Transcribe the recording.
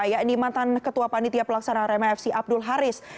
yakni mantan ketua panitia pelaksanaan rmfc abdul haris